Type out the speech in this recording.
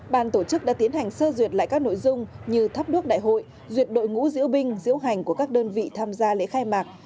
ban tổ chức đã tiến hành sơ duyệt lại các nội dung như thắp đuốc đại hội duyệt đội ngũ diễu binh diễu hành của các đơn vị tham gia lễ khai mạc